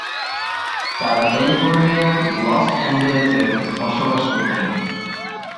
তারা ক্যালিফোর্নিয়ার লস অ্যাঞ্জেলেসে বসবাস করতেন।